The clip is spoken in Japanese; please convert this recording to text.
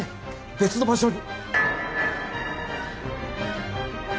別の場所に。